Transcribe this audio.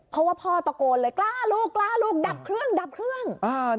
เพราะว่าพ่อตะโกนเลยกล้าลูกดับเครื่อง